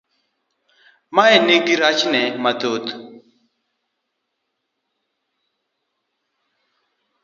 Mae nigi rachne mathoth